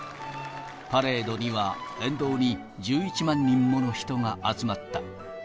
パレードには、沿道に１１万人もの人が集まった。